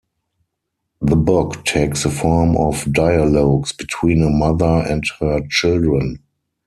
The book takes the form of dialogues between a mother and her children.